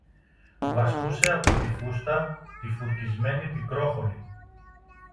βαστούσε από τη φούστα τη φουρκισμένη Πικρόχολη.